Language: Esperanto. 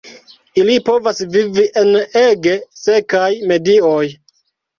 Ili povas vivi en ege sekaj medioj.